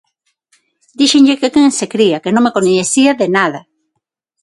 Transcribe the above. Díxenlle que quen se cría, que non me coñecía de nada.